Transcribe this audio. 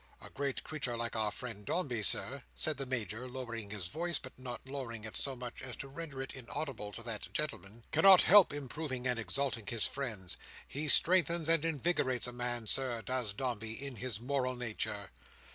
A great creature like our friend Dombey, Sir," said the Major, lowering his voice, but not lowering it so much as to render it inaudible to that gentleman, "cannot help improving and exalting his friends. He strengthens and invigorates a man, Sir, does Dombey, in his moral nature."